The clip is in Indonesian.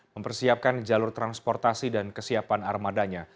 mempersiapkan jalur transportasi dan kesiapan armadanya